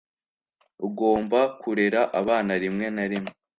ugomba kurera abana rimwe na rimwe